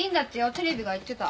テレビが言ってた。